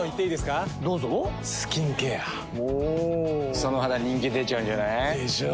その肌人気出ちゃうんじゃない？でしょう。